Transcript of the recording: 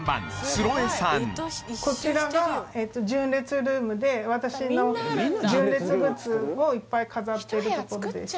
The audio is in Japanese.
こちらが純烈ルームで私の純烈グッズをいっぱい飾ってるところです